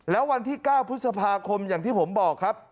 แล้ววันที่๙พฤษภาคมอย่างที่ผมบอกครับ